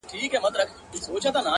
هم راته غم راکړه ته، او هم رباب راکه